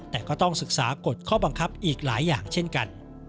แต่ก็ต้องศึกษากฎข้อบังคับอีกหลายอย่างเช่นกัน